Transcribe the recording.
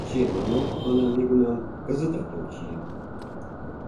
— Чиен омыл, манам, нигунам, кызытат ом чие.